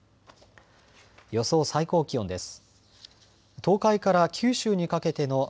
予想最高気温です。